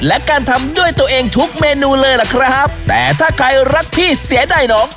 และการทำด้วยตัวเองทุกเมนูเลยล่ะครับแต่ถ้าใครรักพี่เสียดายน้อง